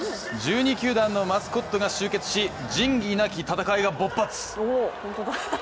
１２球団のマスコットが集結し、仁義なき戦いが勃発